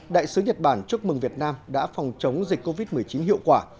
đại sứ nhật bản chúc mừng việt nam đã phòng chống dịch covid một mươi chín hiệu quả